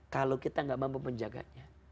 kalau kita nggak mampu menjaganya